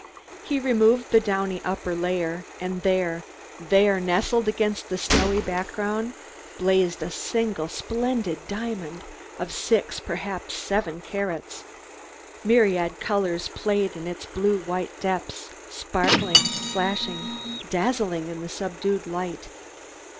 He removed the downy upper layer, and there there, nestling against the snowy background, blazed a single splendid diamond, of six, perhaps seven, carats. Myriad colors played in its blue white depths, sparkling, flashing, dazzling in the subdued light.